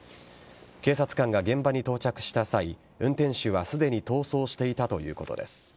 警察官が現場に到着した際運転手はすでに逃走していたということです。